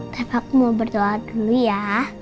tapi aku mau berdoa dulu ya